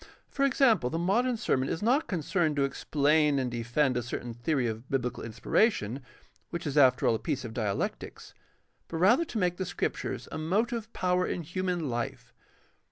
For example, the modern sermon is not concerned to explain and defend a certain theory of biblical inspiration, which is after all a piece of dialectics, but rather to make the Scriptures a motive power in human hfe.